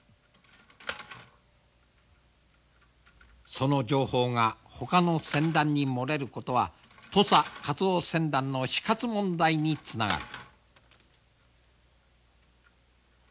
その情報がほかの船団に漏れることは土佐カツオ船団の死活問題につながる。